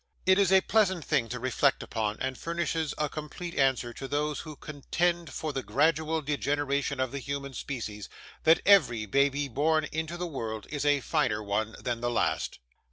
It is a pleasant thing to reflect upon, and furnishes a complete answer to those who contend for the gradual degeneration of the human species, that every baby born into the world is a finer one than the last.